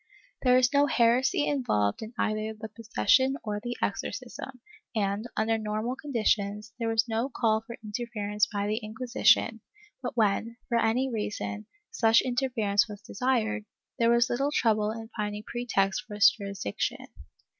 There is no heresy involved in either the possession or the exorcism and, under normal con ditions, there was no call for interference by the Inquisition, but when, for any reason, such interference was desired, there was little trouble in finding pretext for its jurisdiction.